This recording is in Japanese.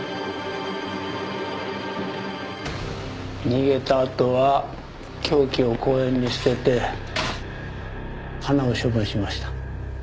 逃げたあとは凶器を公園に捨てて花を処分しました。